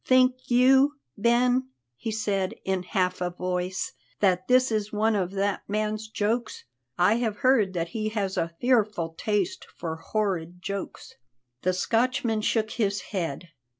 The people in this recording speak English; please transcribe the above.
"Think you, Ben," he said in half a voice, "that this is one of that man's jokes! I have heard that he has a fearful taste for horrid jokes." The Scotchman shook his head.